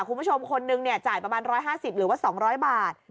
คุณผู้ชมคนหนึ่งจ่ายประมาณ๑๕๐หรือ๒๐๐บาท